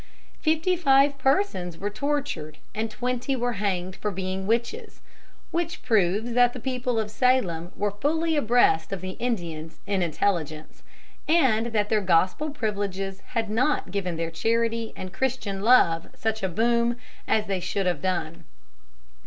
Fifty five persons were tortured and twenty were hanged for being witches; which proves that the people of Salem were fully abreast of the Indians in intelligence, and that their gospel privileges had not given their charity and Christian love such a boom as they should have done.